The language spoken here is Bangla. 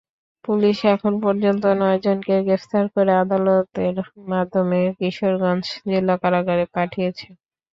পুলিশ এখন পর্যন্ত নয়জনকে গ্রেপ্তার করে আদালতের মাধ্যমে কিশোরগঞ্জ জেলা কারাগারে পাঠিয়েছে।